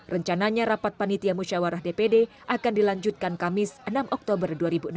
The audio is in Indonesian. rencananya rapat panitia musyawarah dpd akan dilanjutkan kamis enam oktober dua ribu enam belas